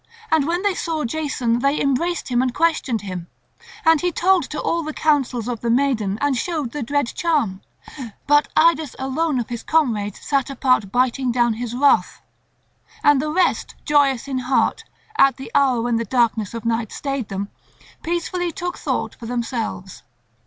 And when they saw Jason they embraced him and questioned him. And he told to all the counsels of the maiden and showed the dread charm; but Idas alone of his comrades sat apart biting down his wrath; and the rest joyous in heart, at the hour when the darkness of night stayed them, peacefully took thought for themselves.